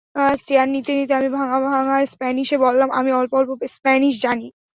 Chair নিতে নিতে আমি ভাঙা ভাঙা স্প্যানিশে বললাম, আমি অল্পস্বল্প স্প্যানিশ জানি।